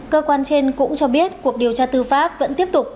cơ quan trên cũng cho biết cuộc điều tra tư pháp vẫn tiếp tục